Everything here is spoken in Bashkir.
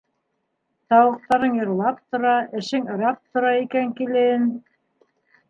- Тауыҡтарың йырлап тора, эшең ырап тора икән, килен.